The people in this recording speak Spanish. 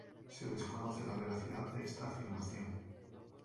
Se desconoce la veracidad de esta afirmación.